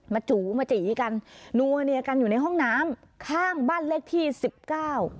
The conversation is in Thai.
จูมาจีกันนัวเนียกันอยู่ในห้องน้ำข้างบ้านเลขที่สิบเก้า